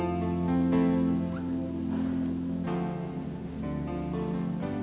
terima kasih naiman